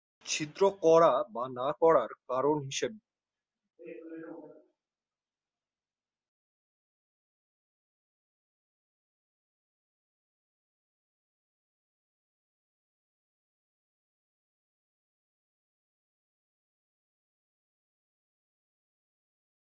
ছিদ্র করা বা না করার কারণ বিভিন্ন হতে পারে।